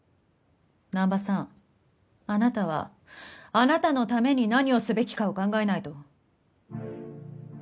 南波さんあなたはあなたのために何をすべきかを考えないと。